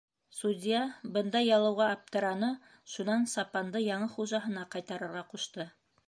Судья бындай ялыуға аптыраны, шунан сапанды яңы хужаһына ҡайтарырға ҡушты.